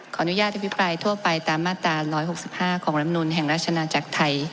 อภิปรายทั่วไปตามมาตรา๑๖๕ของลำนุนแห่งราชนาจักรไทย